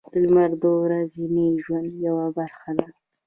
• لمر د ورځني ژوند یوه برخه ده.